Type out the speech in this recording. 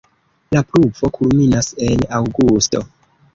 La pluvo kulminas en aŭgusto.